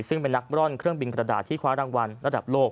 ซึ่งเป็นนักบร่อนเครื่องบินกระดาษที่คว้ารางวัลระดับโลก